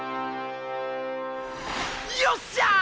よっしゃ！